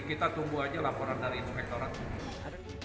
jadi kita tunggu aja laporan dari inspektorat